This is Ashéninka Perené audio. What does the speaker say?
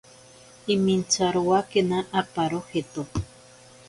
Imintsarowakena aparo jeto.